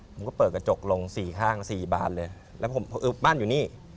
ผมก็เปิดกระจกลงสี่ข้างสี่บานเลยแล้วผมบ้านอยู่นี่